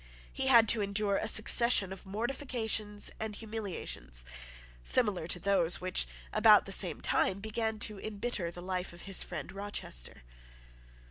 He had to endure a succession of mortifications and humiliations similar to those which, about the same time, began to embitter the life of his friend Rochester.